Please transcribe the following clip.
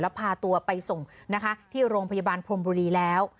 แล้วพาตัวไปส่งนะคะที่โรงพยาบาลพรมบุรีแล้ว